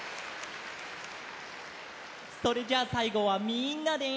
それじゃあさいごはみんなで。